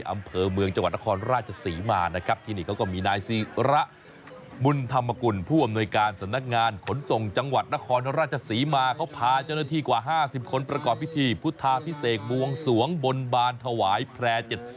อำเภอเมืองจังหวัดนครราชศีรมา